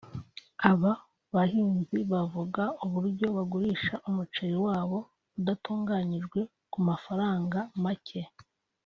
Aba bahinzi bavuga uburyo bagurisha umuceri wabo udatunganyijwe ku mafaranga make